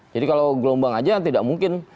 jadi kalau gelombang aja tidak mungkin